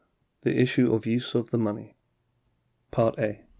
THE ISSUE OF USE OF THE MONEY A.